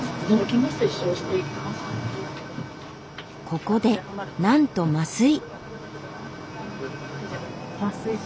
ここでなんと麻酔。